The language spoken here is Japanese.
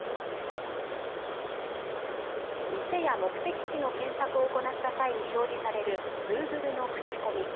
店や目的地の検索を行った際に表示されるグーグルのクチコミ。